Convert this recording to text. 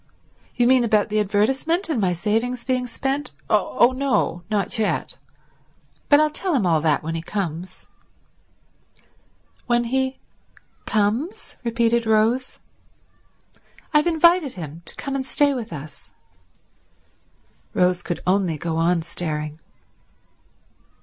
"You mean about the advertisement and my savings being spent? Oh no—not yet. But I'll tell him all that when he comes." "When he comes?" repeated Rose. "I've invited him to come and stay with us." Rose could only go on staring.